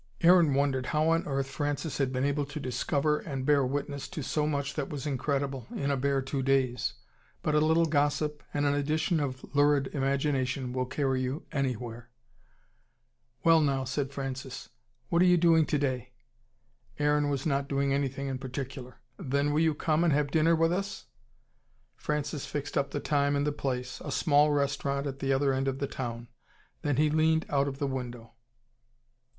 Aaron wondered how on earth Francis had been able to discover and bear witness to so much that was incredible, in a bare two days. But a little gossip, and an addition of lurid imagination will carry you anywhere. "Well now," said Francis. "What are you doing today?" Aaron was not doing anything in particular. "Then will you come and have dinner with us ?" Francis fixed up the time and the place a small restaurant at the other end of the town. Then he leaned out of the window.